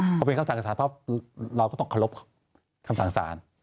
เพราะเป็นคำถามสารเพราะว่าเราก็ต้องขอบคำถามสาร